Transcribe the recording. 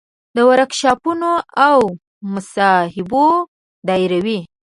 د ورکشاپونو او مصاحبو دایروي.